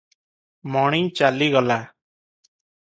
ମଣି ଚାଲିଗଲା ।